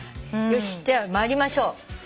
よしでは参りましょう。